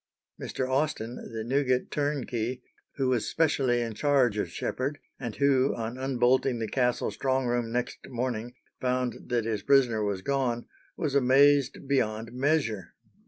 Mr. Austin, the Newgate turnkey, who was specially in charge of Sheppard, and who, on unbolting the castle strong room next morning, found that his prisoner was gone, was amazed beyond measure.